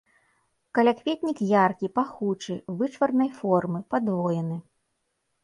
Калякветнік яркі, пахучы, вычварнай формы, падвоены.